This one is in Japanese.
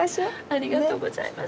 ありがとうございます。